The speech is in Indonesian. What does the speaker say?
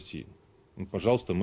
silakan kita sudah siap